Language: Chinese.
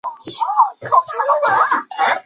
苏氏私塾的历史年代为清代。